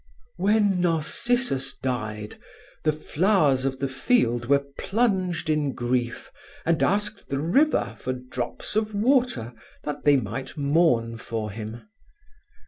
"When Narcissus died the Flowers of the Field were plunged in grief, and asked the River for drops of water that they might mourn for him.